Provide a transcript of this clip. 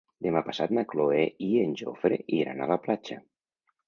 Demà passat na Cloè i en Jofre iran a la platja.